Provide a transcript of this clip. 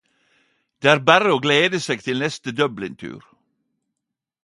Det er berre å glede seg til neste Dublintur!